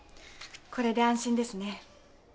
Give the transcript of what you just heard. これで安心ですね。